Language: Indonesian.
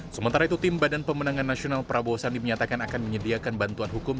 sementara itu tim badan pemenangan nasional prabowo sandi menyatakan akan menyediakan bantuan hukum